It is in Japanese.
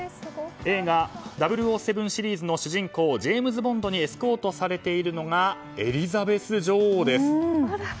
映画「００７」シリーズの主人公ジェームズ・ボンドにエスコートされているのがエリザベス女王です。